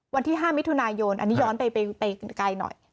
วันที่๕มิถุนายนอันนี้ย้อนไปไกลหน่อย